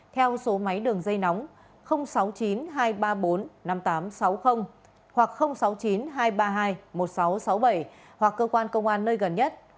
theo số máy đường dây nóng sáu mươi chín hai trăm ba mươi bốn năm nghìn tám trăm sáu mươi hoặc sáu mươi chín hai trăm ba mươi hai một nghìn sáu trăm sáu mươi bảy hoặc cơ quan công an nơi gần nhất